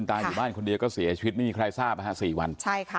เมื่อวานนี้มันเหม็น